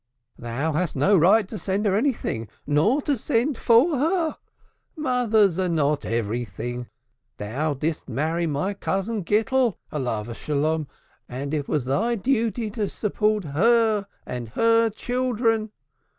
"Thou hadst no right to send her anything, nor to send for her. Mothers are not everything. Thou didst marry my cousin Gittel, peace be upon him, and it was thy duty to support her and her children.